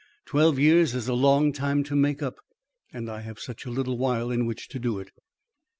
Twelve years is a long time to make up, and I have such a little while in which to do it."